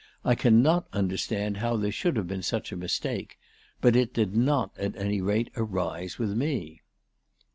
I cannot understand how there should have been such a mistake ; but it did not, at any rate, arise with me."